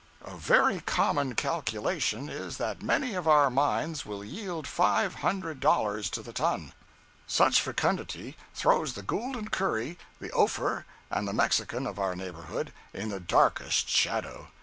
A very common calculation is that many of our mines will yield five hundred dollars to the ton. Such fecundity throws the Gould & Curry, the Ophir and the Mexican, of your neighborhood, in the darkest shadow.